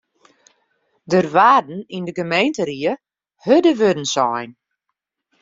Der waarden yn de gemeenteried hurde wurden sein.